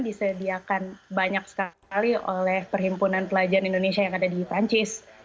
disediakan banyak sekali oleh perhimpunan pelajar indonesia yang ada di perancis